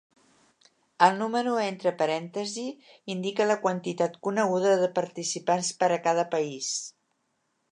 El número entre parèntesis indica la quantitat coneguda de participants per a cada país.